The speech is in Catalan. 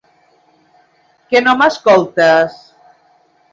Que no m'escoltes?